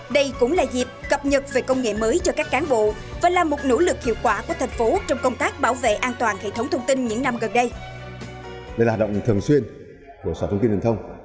đây là hạt động thường xuyên của sở thông tin truyền thông